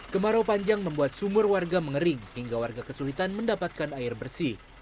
kemarau panjang membuat sumur warga mengering hingga warga kesulitan mendapatkan air bersih